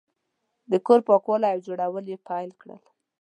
د کور پاکول او جوړول یې پیل کړل.